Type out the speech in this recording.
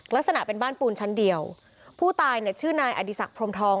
ลักษณะเป็นบ้านปูนชั้นเดียวผู้ตายเนี่ยชื่อนายอดีศักดิพรมทอง